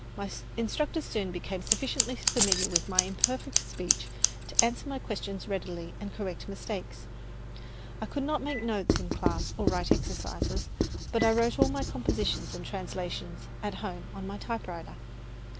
My instructors soon became sufficiently familiar with my imperfect speech to answer my questions readily and correct mistakes. I could not make notes in class or write exercises; but I wrote all my compositions and translations at home on my typewriter.